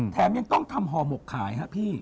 แถมยังต้องทำห่อหมกขายครับพี่